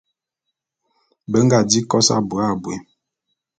Be nga di kos abui abui.